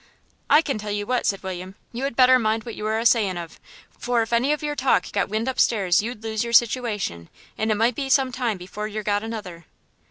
'" "I can tell you what," said William, "you had better mind what you are a saying of, for if any of your talk got wind upstairs you'd lose yer situation, and it might be some time before yer got another!"